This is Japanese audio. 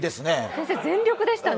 先生、全力でしたね。